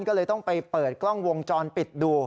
ก็เลยต้องไปเปิดกล้องวงจรปิดดู